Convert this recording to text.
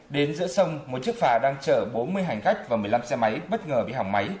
đến giữa sông một chiếc phà đang chở bốn mươi hành khách và một mươi năm xe máy bất ngờ bị hỏng máy